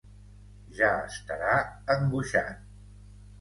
Ja estarà angoixat.